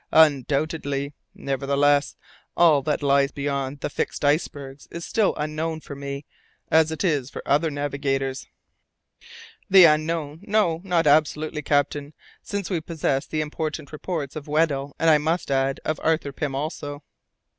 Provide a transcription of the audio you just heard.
"Undoubtedly. Nevertheless, all that lies beyond the fixed icebergs is still the Unknown for me, as it is for other navigators." "The Unknown! No, not absolutely, captain, since we possess the important reports of Weddell, and, I must add, of Arthur Pym also."